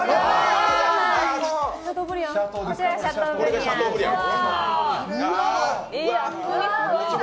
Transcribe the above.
こちら、シャトーブリアン。